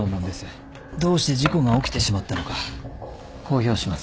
どうして事故が起きてしまったのか公表します。